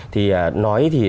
thì nói thì